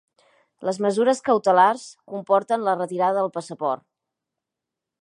Les mesures cautelars comporten la retirada del passaport.